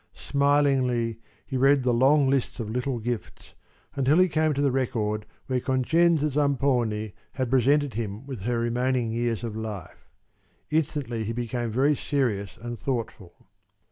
Smilingly he read the long lists of little gifts until he came to the record where Concenza Zamponi had presented him with her remaining years of life. Instantly he became very serious and thoughtful.